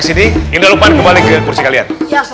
ini indah lupan kembali ke kursi kalian